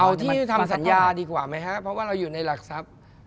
เอาที่ทำสัญญาดีกว่าไหมครับเพราะว่าเราอยู่ในหลักทรัพย์